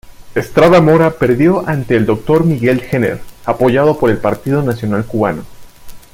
Estrada Mora perdió ante el Dr. Miguel Gener, apoyado por el Partido Nacional Cubano.